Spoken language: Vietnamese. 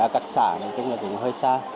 các xã này cũng là cũng hơi xa